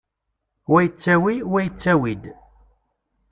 Wa yettawi, wa yettawi-d.